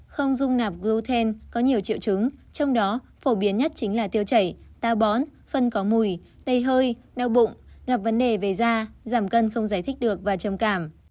không dung nạp grouthen có nhiều triệu chứng trong đó phổ biến nhất chính là tiêu chảy ta bón phân có mùi tây hơi đau bụng gặp vấn đề về da giảm cân không giải thích được và trầm cảm